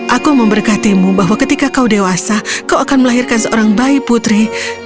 aku memberkatimu bahwa ketika kau dewasa kau akan melahirkan seorang bayi putri